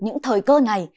những thời cơ này